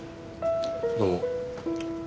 どうも。